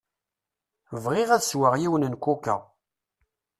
Bɣiɣ ad sweɣ yiwen n kuka.